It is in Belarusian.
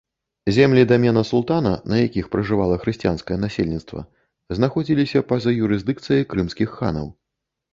Землі дамена султана, на якіх пражывала хрысціянскае насельніцтва, знаходзіліся па-за юрысдыкцыяй крымскіх ханаў.